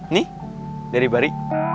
nih dari bari